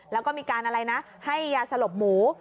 แล้วก็มีการอะไรนะให้ยาสลบหมู